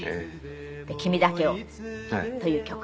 で『君だけを』という曲で。